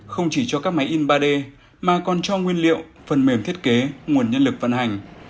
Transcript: không chỉ cho các máy in ba d mà còn cho nguyên liệu phần mềm thiết kế nguồn nhân lực vận hành